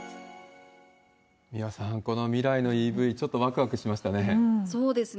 三輪さん、この未来のＥＶ、ちょっとわくわくしましたね。